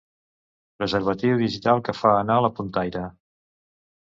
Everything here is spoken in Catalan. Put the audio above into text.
Preservatiu digital que fa anar la puntaire.